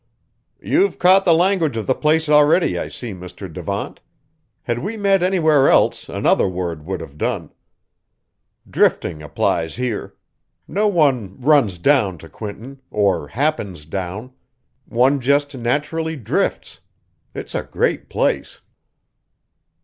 "You've caught the language of the place already I see, Mr. Devant. Had we met anywhere else, another word would have done; 'drifting' applies here. No one 'runs down' to Quinton, or 'happens' down; one just naturally 'drifts.' It's a great place."